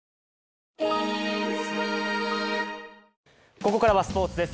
ここからスポーツです。